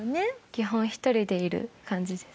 基本１人でいる感じです。